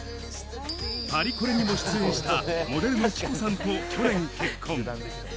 パリコレにも出場したモデルの貴子さんと去年結婚。